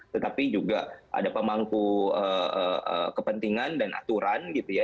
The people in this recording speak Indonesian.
tetapi juga ada pemangku kepentingan dan aturan gitu ya